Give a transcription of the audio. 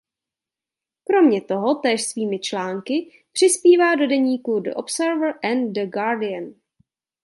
Kromě toho též svými články přispívá do deníků The Observer a The Guardian.